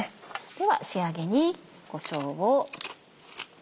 では仕上げにこしょうを。